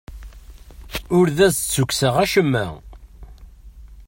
Ur as-d-ssukkseɣ acemma.